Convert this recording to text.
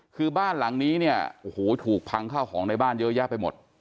คือบ้านหลังนี้เนี่ยโอ้โหถูกพังข้าวของในบ้านเยอะแยะไปหมด